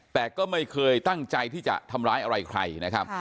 แต่ก็ไม่เคยตั้งใจที่จะทำร้ายอะไรใครนะครับ